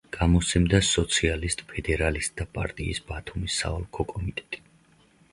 გამოსცემდა სოციალისტ-ფედერალისტთა პარტიის ბათუმის საოლქო კომიტეტი.